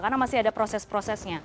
karena masih ada proses prosesnya